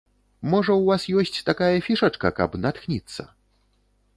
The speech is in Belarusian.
Можа, ў вас ёсць такая фішачка, каб натхніцца?